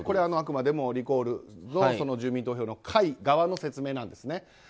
あくまでもリコール、住民投票の会側の説明なんですね。